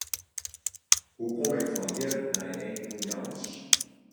Hoe kom ik fan hjir nei Emiel Jans?